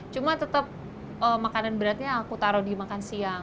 cuma tetap makanan beratnya aku taruh dimakan siang